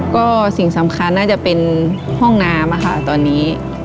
ก็สิ่งสำคัญน่าจะเป็นห้องน้ำค่ะตอนนี้